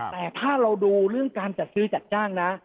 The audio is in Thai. แต่ถ้าเราดูเรื่องการจัดซื้อจัดจ้างนะ